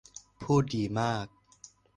พูดดีมาก